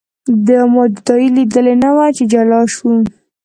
ما جدایي لیدلې نه وه چې جلا شو.